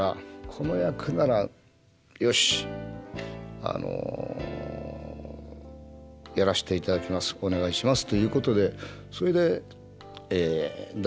この役ならよしやらせていただきますお願いしますということでそれで題名がまた「ひまわり」。